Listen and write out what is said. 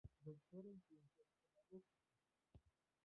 Doctor en Ciencias Pedagógicas.